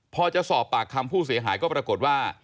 พอจะสอบปากคำผู้เสียหายก็ปรากฏว่า